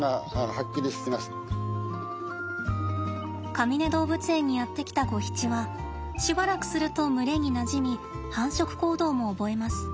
かみね動物園にやって来たゴヒチはしばらくすると群れになじみ繁殖行動も覚えます。